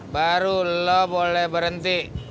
baru lo boleh berhenti